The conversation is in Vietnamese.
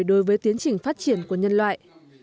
đối với tiến trình phát triển của nhân loại